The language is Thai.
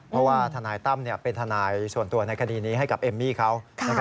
เพราะว่าทนายตั้มเป็นทนายส่วนตัวในคดีนี้ให้กับเอมมี่เขา